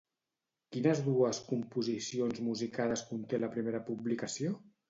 Quines dues composicions musicades conté la primera publicació?